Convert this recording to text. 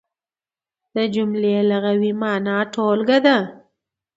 د جملې لغوي مانا ټولګه ده.